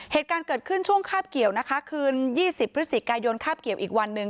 เหตุการณ์เกิดขึ้นช่วงคาบเกี่ยวนะคะคืน๒๐พฤศจิกายนคาบเกี่ยวอีกวันหนึ่ง